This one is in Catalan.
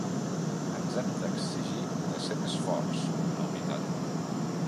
Ens hem d’exigir de ser més forts en la unitat.